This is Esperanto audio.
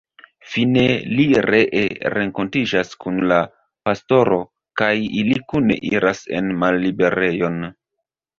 Fine li ree renkontiĝas kun la pastoro kaj ili kune iras en malliberejon.